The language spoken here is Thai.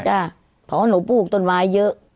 เพราะว่าหนูปลูกต้นไม้เยอะ